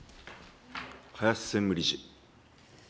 林専務理事。